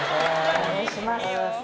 お願いします。